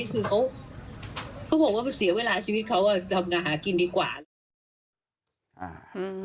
คือเขาบอกว่าเสียเวลาชีวิตเขาก็ทำงานหากินดีกว่า